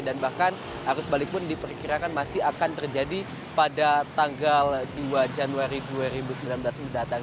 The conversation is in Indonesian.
dan bahkan arus balik pun diperkirakan masih akan terjadi pada tanggal dua januari dua ribu sembilan belas mendatang